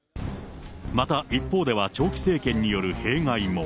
また一方では、長期政権による弊害も。